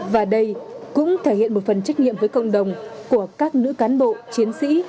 và đây cũng thể hiện một phần trách nhiệm với cộng đồng của các nữ cán bộ chiến sĩ